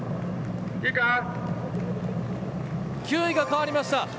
９位が変わりました。